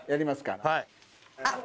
はい。